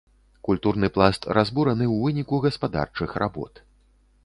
Культурны пласт разбураны ў выніку гаспадарчых работ.